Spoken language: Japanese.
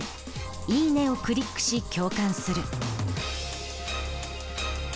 「いいね！」をクリックし共感する。